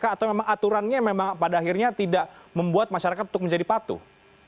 atau memang aturannya memang pada akhirnya tidak membuat masyarakat untuk menjadi patuh